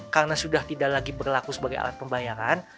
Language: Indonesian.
karena sudah tidak lagi berlaku sebagai alat pembayaran